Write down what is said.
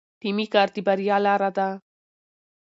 ټیمي کار د بریا لاره ده.